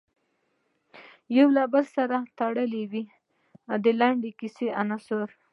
یو له بل سره تړلې وي د لنډې کیسې عناصر.